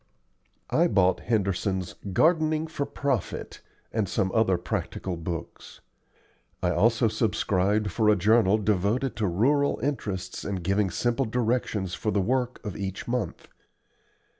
I bought Henderson's "Gardening for Profit" and some other practical books. I also subscribed for a journal devoted to rural interests and giving simple directions for the work of each month.